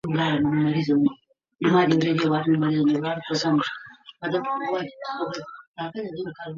يو بل ته مينه او ورورولي ورکړئ.